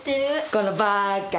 このバカ。